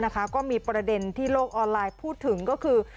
ก็มีประเด็นที่โลกออนไลน์พูดถึงก็คือ